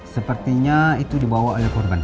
sepertinya itu dibawa oleh korban